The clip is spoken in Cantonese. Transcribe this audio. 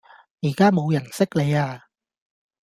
而家冇人識你呀